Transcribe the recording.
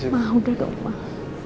ma udah dong